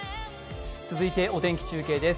続いてお天気中継です。